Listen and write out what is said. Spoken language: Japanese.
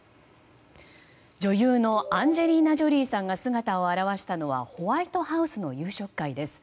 女優のアンジェリーナ・ジョリーさんが姿を現したのはホワイトハウスの夕食会です。